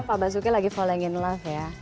jadi sekarang pak basuki lagi falling in love ya